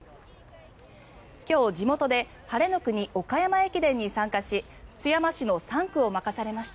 今日、地元で「晴れの国岡山」駅伝に参加し津山市の３区を任されました。